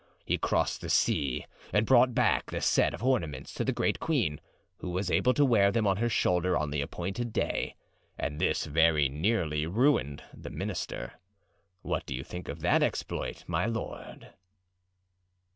He crossed the sea and brought back the set of ornaments to the great queen, who was able to wear them on her shoulder on the appointed day; and this very nearly ruined the minister. What do you think of that exploit, my lord?"